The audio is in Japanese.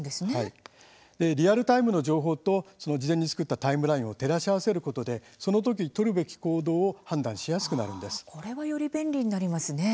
リアルタイムの情報と事前に作ったタイムラインを照らし合わせることでその時取るべき行動を判断しやすくなるんです。